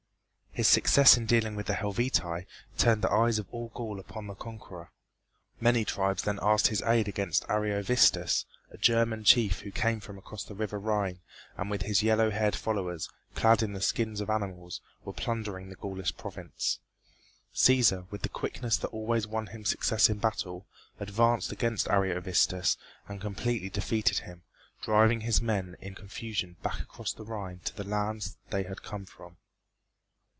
His success in dealing with the Helvetii turned the eyes of all Gaul upon the conqueror. Many tribes then asked his aid against Ariovistus, a German chief who came from across the river Rhine and with his yellow haired followers, clad in the skins of animals, was plundering the Gaulish province. Cæsar, with the quickness that always won him success in battle, advanced against Ariovistus and completely defeated him, driving his men in confusion back across the Rhine to the lands they had come from.